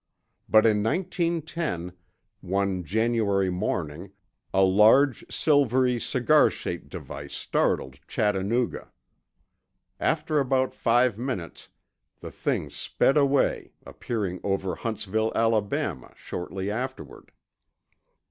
But in 1910, one January morning, a large silvery cigar shaped device startled Chattanooga. After about five minutes, the thing sped away, appearing over Huntsville, Alabama, shortly afterward.